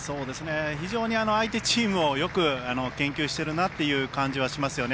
非常に相手チームをよく研究しているなという感じはしますね。